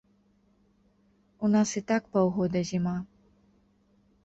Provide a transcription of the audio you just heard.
У нас і так паўгода зіма.